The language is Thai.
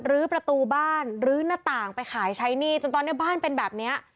ประตูบ้านลื้อหน้าต่างไปขายใช้หนี้จนตอนนี้บ้านเป็นแบบนี้